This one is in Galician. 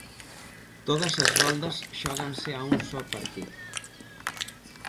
Todas as roldas xóganse a un só partido.